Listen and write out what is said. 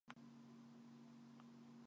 長野県喬木村